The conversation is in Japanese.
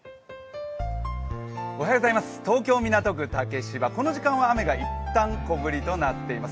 東京・港区竹芝、この時間は雨がいったん小降りとなっています。